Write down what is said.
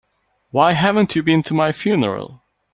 Why haven't you been to my funeral?